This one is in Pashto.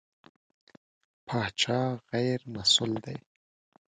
پاچا غېر مسوول دی.